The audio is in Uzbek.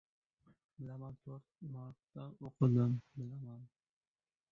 — Bilaman, to‘rt marta o‘qidim, bilaman!